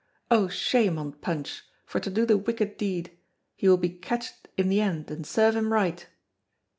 Oh, shame on Punch, for to do the wicked deed; he will be catched in the end and serve him right."